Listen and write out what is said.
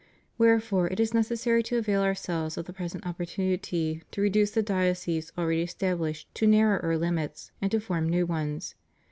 Wherefore it is necessary to avail Ourselves of the present opportunity to reduce the dioceses already established to narrower limits, and to form new ones.